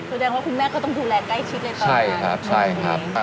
แสดงว่าคุณแม่ก็ต้องดูแลใกล้ชิดเลยตอนนี้